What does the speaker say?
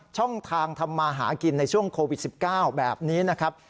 ช่องทางทำมาหากินในช่วงโควิด๑๙แบบนี้นะครับ